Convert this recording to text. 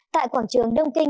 tại quảng trường đông kinh